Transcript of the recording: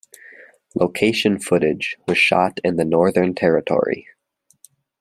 Location footage was shot in the Northern Territory.